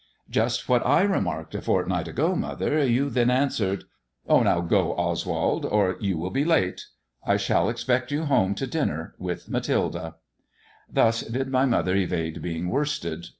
" Just what I remarked a fortnight ago, mother. You then answered "" Now go, Oswald, or you will be late. I shall expect you home to dinner with Mathilde." Thus did my mother evade being worsted.